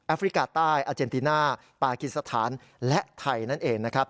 ฟริกาใต้อาเจนติน่าปากิสถานและไทยนั่นเองนะครับ